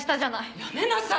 やめなさい！